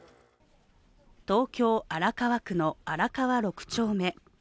東京・荒川区の荒川６丁目。